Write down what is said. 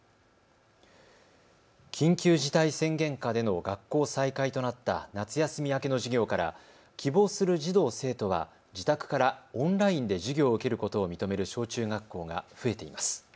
緊急事態宣言下での学校再開となった夏休み明けの授業から希望する児童生徒は自宅からオンラインで授業を受けることを認める小中学校が増えています。